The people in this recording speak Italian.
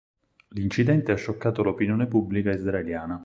L'incidente ha scioccato l'opinione pubblica israeliana.